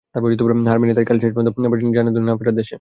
হার মেনে তাই কাল শেষ পর্যন্ত পাড়ি জমাতে হলো না-ফেরার দেশে।